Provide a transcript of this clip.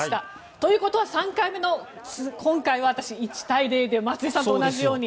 ということは３回目の今回は１対０で松井さんと同じように。